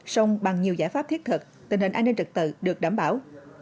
sông bằng nhiều giải pháp thiết thực tình hình an ninh trật tự được đảm bảo